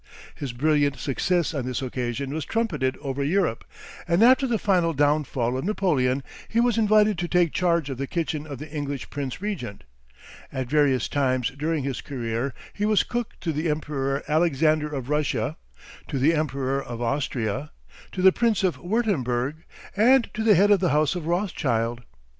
His brilliant success on this occasion was trumpeted over Europe, and after the final downfall of Napoleon he was invited to take charge of the kitchen of the English Prince Regent. At various times during his career he was cook to the Emperor Alexander of Russia, to the Emperor of Austria, to the Prince of Wurtemberg, and to the head of the house of Rothschild.